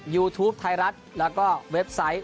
ยูทูปไทยรัฐแล้วก็เว็บไซต์